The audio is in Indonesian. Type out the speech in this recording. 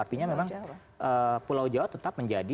artinya memang pulau jawa tetap menjadi